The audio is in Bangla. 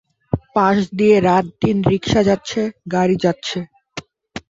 পাশ দিয়ে রাত-দিন রিকশা যাচ্ছে, গাড়ি যাচ্ছে।